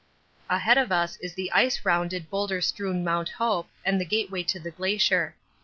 Ahead of us is the ice rounded, boulder strewn Mount Hope and the gateway to the Glacier.